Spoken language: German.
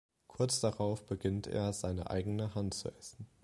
Kurz darauf beginnt er seine eigene Hand zu essen.